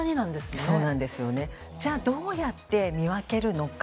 じゃあどうやって見分けるのか。